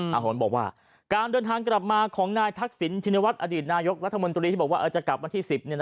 หนบอกว่าการเดินทางกลับมาของนายทักษิณชินวัฒนอดีตนายกรัฐมนตรีที่บอกว่าจะกลับวันที่๑๐